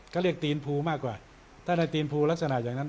ก็เรียกตีนภูมากกว่าถ้าได้ตีนภูลักษณะอย่างนั้น